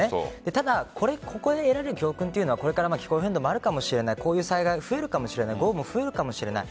ただ、ここで得られる教訓は気候変動はあるかもしれない災害が増えるかもしれない豪雨も増えるかもしれない。